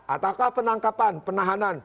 atau penangkapan penahanan